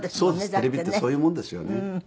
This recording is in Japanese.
テレビってそういうもんですよね。